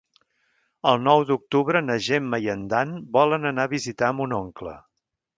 El nou d'octubre na Gemma i en Dan volen anar a visitar mon oncle.